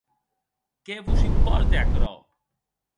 Qué vos impòrte aquerò?